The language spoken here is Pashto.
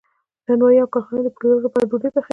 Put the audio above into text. نانوایی او کارخانې د پلورلو لپاره ډوډۍ پخوي.